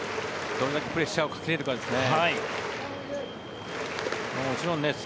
どれだけプレッシャーをかけられるかですね。